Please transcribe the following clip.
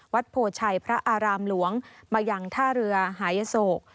โพชัยพระอารามหลวงมายังท่าเรือหายโศก